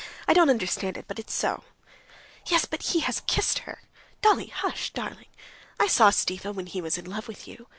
I don't understand it, but it is so." "Yes, but he has kissed her...." "Dolly, hush, darling. I saw Stiva when he was in love with you.